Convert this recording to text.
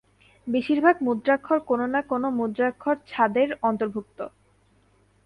বেশিরভাগ মুদ্রাক্ষর কোন না কোন মুদ্রাক্ষর-ছাঁদের অন্তর্ভুক্ত।